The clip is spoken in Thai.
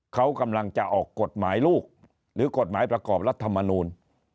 เขากำลังจะออกกฎหมายลูกหรือกฎหมายประกอบรัฐมนูล